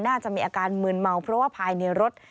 น่าจะมีอาการมืนเมาเพราะว่าภายในรถ